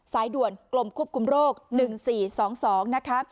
สายด่วนกลมควบคุมโรค๑๔๒๒นะคะ